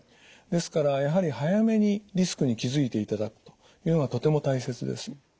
ですからやはり早めにリスクに気付いていただくというのがとても大切です。